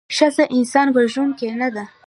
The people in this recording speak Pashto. ښځه انسان وژوونکې نده